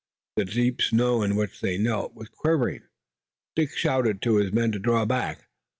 The deep snow in which they knelt was quivering. Dick shouted to his men to draw back.